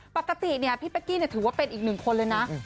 ปกติเนี้ยพี่แป๊กกี้เนี้ยถือว่าเป็นอีกหนึ่งคนเลยนะอืม